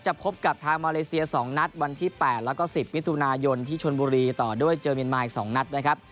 พบกับทางมาเลเซีย๒นัดวันที่๘แล้วก็๑๐มิถุนายนที่ชนบุรีต่อด้วยเจอเมียนมาอีก๒นัดนะครับ